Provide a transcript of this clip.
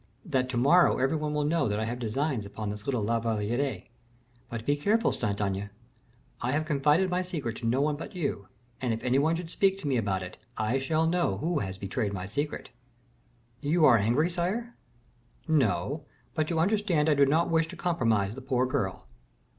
"That to morrow every one will know that I have designs upon this little La Valliere; but be careful, Saint Aignan, I have confided my secret to no one but you, and if any one should speak to me about it, I shall know who has betrayed my secret." "You are angry, sire." "No; but you understand I do not wish to compromise the poor girl."